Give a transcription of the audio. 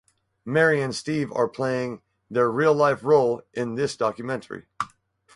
Mary and Steve are playing their real life role in this documentary.